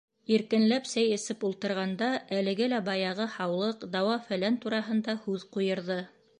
Иркенләп сәй эсеп ултырғанда, әлеге лә баяғы һаулыҡ, дауа-фәлән тураһында һүҙ ҡуйырҙы.